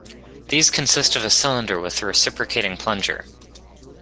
These consist of a cylinder with a reciprocating plunger.